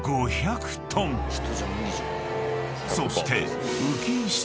［そして］